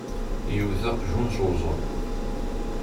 Iwet aqjun s uẓru.